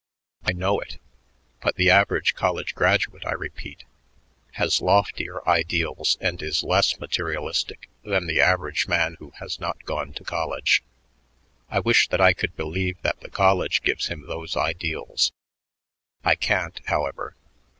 I know it, but the average college graduate, I repeat, has loftier ideals and is less materialistic than the average man who has not gone to college. I wish that I could believe that the college gives him those ideals. I can't, however.